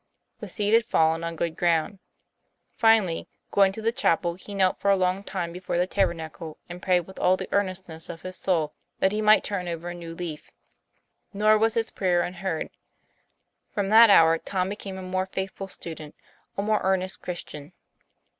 The seed had fallen on good ground. Finally, going to the chapel, he knelt for a long time before the tabernacle and prayed with all the earnestness of his soul, that he might turn over a new leaf. Nor was his prayer unheard; from that hour Tom became a more faithful student, a more earnest Christian.